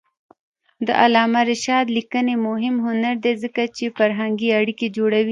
د علامه رشاد لیکنی هنر مهم دی ځکه چې فرهنګي اړیکې جوړوي.